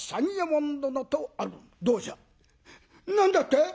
「何だって！？